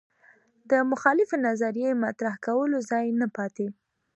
د مخالفې نظریې مطرح کولو ځای نه پاتې